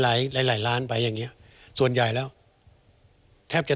แต่ว่าจะบอกให้สบายใจ